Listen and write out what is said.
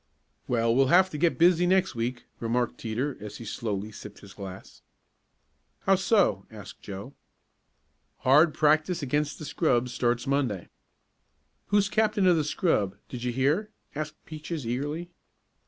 "Well, we'll have to get busy next week," remarked Teeter as he slowly sipped his glass. "How so?" asked Joe. "Hard practice against the scrub starts Monday." "Who's captain of the scrub; did you hear?" asked Peaches eagerly.